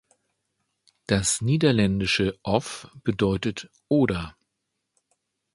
Das niederländische "„of“" bedeutet "„oder“".